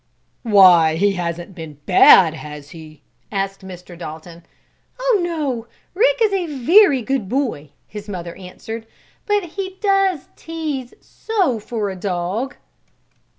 "Why, he hasn't been bad; has he?" asked Mr. Dalton. "Oh, no, Rick is a very good boy," his mother answered. "But he does tease so for a dog!"